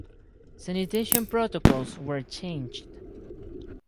Sanitation protocols were changed.